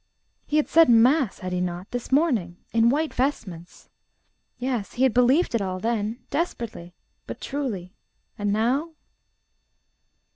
He had said mass, had he not? this morning in white vestments. Yes; he had believed it all then desperately, but truly; and now....